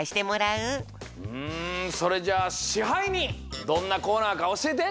うんそれじゃあ支配人どんなコーナーかおしえて！